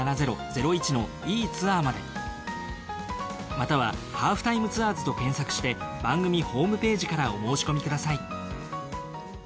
または『ハーフタイムツアーズ』と検索して番組ホームページからお申込みください。